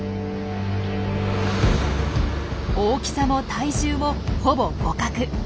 大きさも体重もほぼ互角。